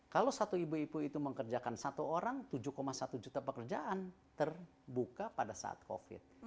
kalau satu ibu ibu itu mengerjakan satu orang tujuh satu juta pekerjaan terbuka pada saat covid